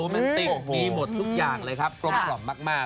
มีหมดทุกอย่างเลยครับปรมผล่อนมาก